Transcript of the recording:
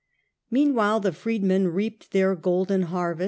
Meanwhile the freedmen reaped their golden harvest